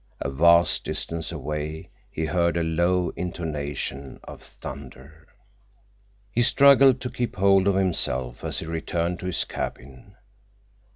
A vast distance away he heard a low intonation of thunder. He struggled to keep hold of himself as he returned to his cabin.